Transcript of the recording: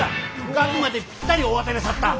額までぴったりお当てなさった！